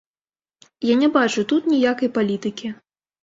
Я не бачу тут ніякай палітыкі.